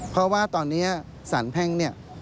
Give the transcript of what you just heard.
เพราะว่าตอนนี้สารแพร่ง